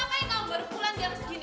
ngapain kamu baru pulang jam segini